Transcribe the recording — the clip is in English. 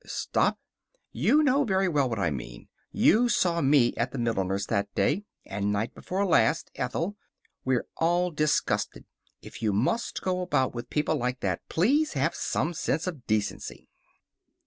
Stop?" "You know very well what I mean. You saw me at the milliner's that day. And night before last, Ethel. We're all disgusted. If you must go about with people like that, please have some sense of decency."